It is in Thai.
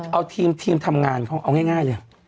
เอาทีมทำงานเขาเอาง่ายเลย